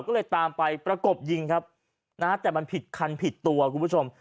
ก็เลยตามไปประกบยิงครับนะฮะแต่มันผิดคันผิดตัวคุณผู้ชม